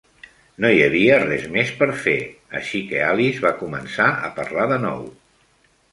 No hi havia res més per fer, així que Alice va començar a parlar de nou.